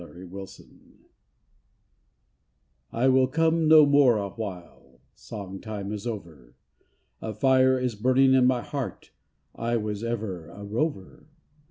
SONG TIME IS OVER I WILL come no more awhile, Song time is over. A fire is burning in my heart, I was ever a rover.